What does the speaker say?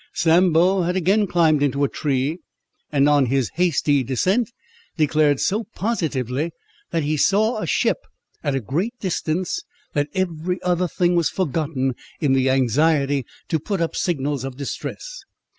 Sambo had again climbed into a tree, and on his hasty descent, declared so positively that he saw a ship, at a great distance, that every other thing was forgotten in the anxiety to put up signals of distress.